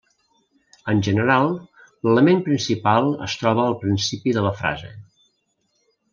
En general l'element principal es troba al principi de la frase.